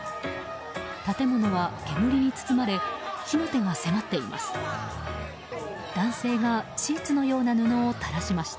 建物は、煙に包まれ火の手が迫っています。